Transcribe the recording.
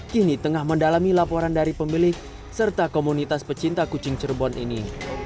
kini tengah mendalami laporan dari pemilik serta komunitas pecinta kucing cirebon ini